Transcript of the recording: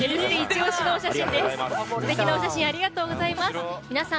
素敵なお写真ありがとうございます。